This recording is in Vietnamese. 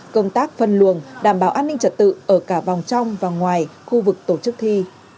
công tác phân luồng đảm bảo an ninh trật tự ở cả vòng trong và ngoài khu vực tổ chức thi